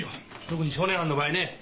特に少年犯の場合ね。